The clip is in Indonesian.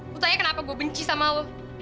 lu tanya kenapa gue benci sama lu